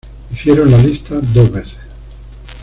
Hicieron la lista dos veces.